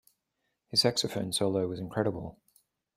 His saxophone solo was incredible.